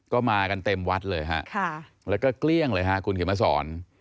ก็มากันเต็มวัดเลยฮะแล้วก็เกลี้ยงเลยฮะคุณเขียนมาสอน